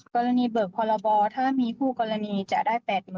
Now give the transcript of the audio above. กรณีเบิกพรบถ้ามีคู่กรณีจะได้๘๐๐๐